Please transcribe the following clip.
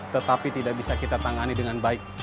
tetapi tidak bisa kita tangani dengan baik